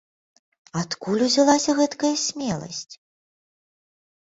Адкуль узялася гэткая смеласць?